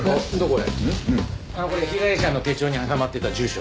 これ被害者の手帳に挟まってた住所。